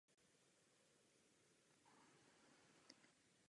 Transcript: Další dvě zastavení jsou mimo samotnou stezku v okrajových částech města.